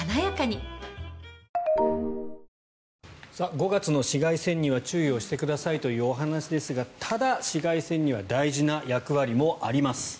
５月の紫外線には注意をしてくださいというお話ですがただ、紫外線には大事な役割もあります。